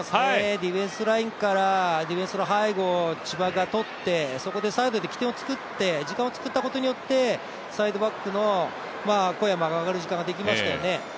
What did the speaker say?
ディフェンスラインからディフェンスの背後を千葉がとって、そこでサイドで起点を作って、時間を作ったことでサイドバックの小山が上がる時間ができましたよね。